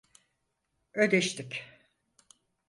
Ödeştik.